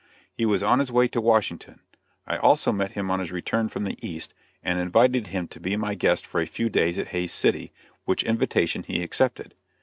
He was on his way to Washington. I also met him on his return from the East, and invited him to be my guest for a few days at Hays City, which invitation he accepted.